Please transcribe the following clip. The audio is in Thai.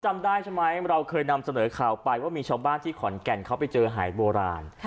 จำได้ใช่ไหมเราเคยนำเสนอข่าวไปว่ามีชาวบ้านที่ขอนแก่นเขาไปเจอหายโบราณ